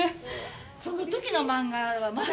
そのときの漫画は、まだ。